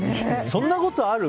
そんなことある？